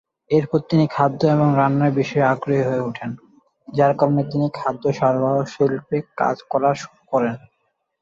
এরপর তিনি খাদ্য এবং রান্নার বিষয়ে আগ্রহী হয়ে ওঠেন; যার কারণে তিনি খাদ্য সরবরাহ শিল্পে কাজ করা শুরু করেন।